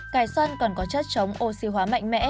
cải xoăn còn có chất chống oxy hóa mạnh mẽ